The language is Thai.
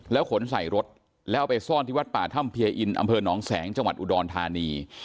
ขนใส่รถแล้วไปซ่อนที่วัดป่าถ้ำเพียอินอำเภอหนองแสงจังหวัดอุดรธานี